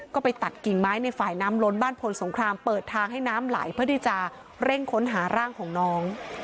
ก็ไปตัดกิ่งไม้ในฝ่ายน้ำล้นบ้านพลสงครามเปิดทางให้น้ำไหลเพื่อที่จะเร่งค้นหาร่างของน้อง